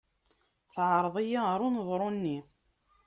Teɛreḍ-iyi ɣer uneḍru-nni.